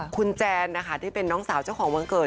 คุณแจนนะคะที่เป็นน้องสาวเจ้าของวันเกิด